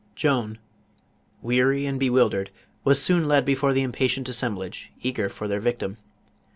174 JOAN OF ARC. Joan, weary and bewildered, was soon led before tho impatient assemblage, eager for their victim.